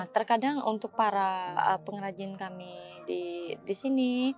terkadang untuk para pengrajin kami di sini